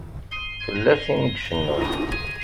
Tella tin i icennun.